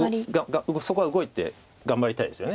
そこは動いて頑張りたいですよね。